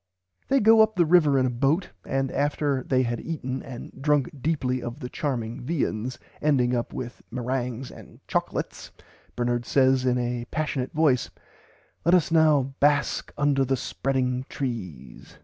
They go up the river in a boat, and after they had eaten and "drunk deeply of the charming viands ending up with merangs and chocklates," Bernard says "in a passionate voice Let us now bask under the spreading trees.